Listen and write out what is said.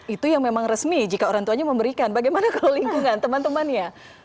itu yang memang resmi jika orang tuanya memberikan bagaimana kalau lingkungan teman temannya